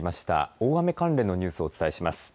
大雨関連のニュースをお伝えします。